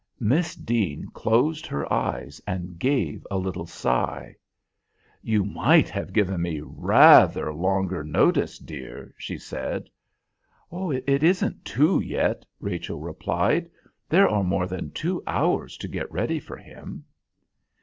Miss Deane closed her eyes and gave a little sigh. "You might have given me rather longer notice, dear," she said. "It isn't two yet," Rachel replied. "There are more than two hours to get ready for him."